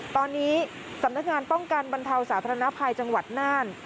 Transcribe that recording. ตอนนี้สำนักงานป้องกันบรรเทาสาธารณภัยจังหวัดน่าน